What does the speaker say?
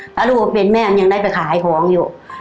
ถ้าลูกมาเป็นแม่มันยังได้ไปขายของอยู่